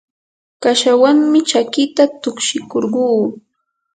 kashawanmi chakita tukshikurquu.